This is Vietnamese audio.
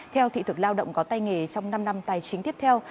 theo thị thực lao động có tay nghề trong năm năm tài chính tiếp theo